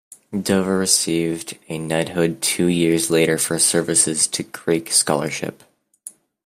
Dover received a knighthood two years later for services to Greek scholarship.